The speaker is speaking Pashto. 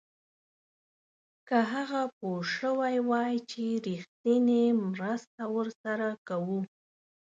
که هغه پوه شوی وای چې رښتینې مرسته ورسره کوو.